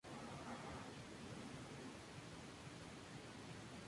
Ésta versión alcanzó el número uno en la lista de sencillos del Reino Unido.